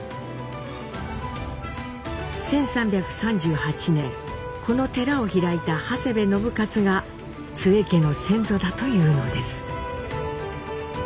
１３３８年この寺を開いた長谷部信雄が津江家の先祖だというのです。